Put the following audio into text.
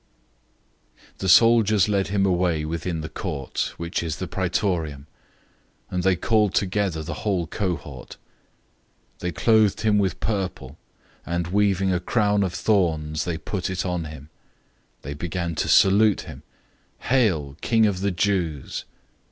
015:016 The soldiers led him away within the court, which is the Praetorium; and they called together the whole cohort. 015:017 They clothed him with purple, and weaving a crown of thorns, they put it on him. 015:018 They began to salute him, "Hail, King of the Jews!"